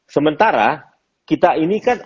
sementara kita ini kan